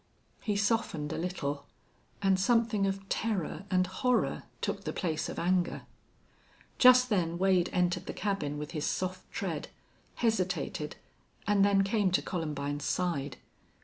He softened a little, and something of terror and horror took the place of anger. Just then Wade entered the cabin with his soft tread, hesitated, and then came to Columbine's side.